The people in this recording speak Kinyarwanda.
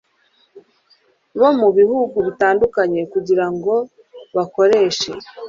bo mu bihugu bitandukanye kugira ngo bakoreshe